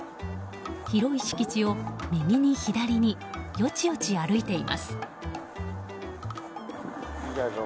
広い敷地を右に左によちよち歩いています。